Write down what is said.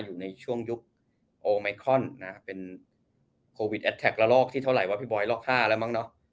อยู่ในช่วงยุคโอไมคอนนะฮะเป็นโควิดแอดแท็กละลอกที่เท่าไหร่ว่าพี่บอยลอก๕แล้วมั้งเนอะ